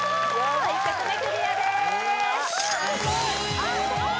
１曲目クリアです